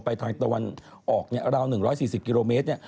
ไปทางตะวันออกเนี่ยราว๑๔๐กิโลเมตรเนี่ย